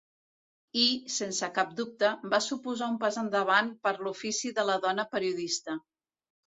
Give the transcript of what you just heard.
I, sense cap dubte, va suposar un pas endavant per l'ofici de la dona periodista.